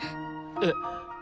えっ。